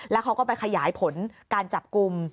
แล้วเขาก็ไปขยายผลการจับกลุ่ม